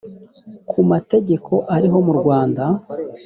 ku mategeko ariho mu rwanda